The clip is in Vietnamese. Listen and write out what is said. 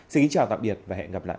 xin kính chào tạm biệt và hẹn gặp lại